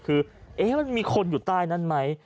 คือเอ๊มันมีคนอยู่ใต้นั้นมั้ย